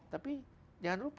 tapi jangan lupa